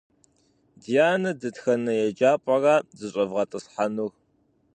Дианэ дэтхэнэ еджапӏэра зыщӏэвгъэтӏысхьэнур?